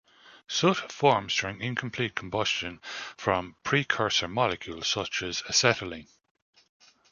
Soot forms during incomplete combustion from precursor molecules such as acetylene.